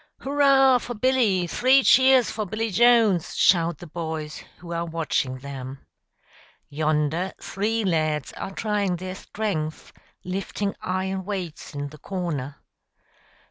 "Hurrah for Billy! three cheers for Billy Jones!" shout the boys who are watching them. Yonder three lads are trying their strength lifting iron weights in the corner.